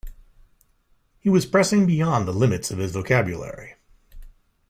He was pressing beyond the limits of his vocabulary.